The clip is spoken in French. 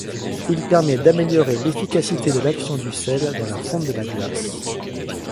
Il permet d'améliorer l'efficacité de l'action du sel dans la fonte de la glace.